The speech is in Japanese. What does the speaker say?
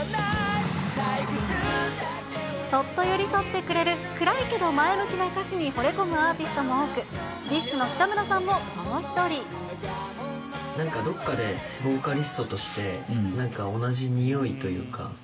そっと寄り添ってくれる、暗いけど前向きな歌詞にほれ込むアーティストも多く、ＤＩＳＨ／なんかどっかでボーカリストとして、なんか同じにおいというか。